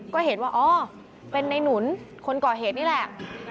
ก็เห็นว่าอ๋อเป็นในหนุนคนก่อเหตุนี่แหละ